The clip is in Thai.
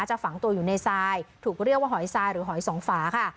ฝังตัวอยู่ในทรายถูกเรียกว่าหอยทรายหรือหอยสองฝาค่ะ